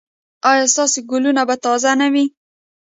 ایا ستاسو ګلونه به تازه نه وي؟